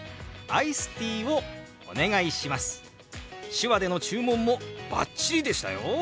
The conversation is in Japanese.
手話での注文もバッチリでしたよ！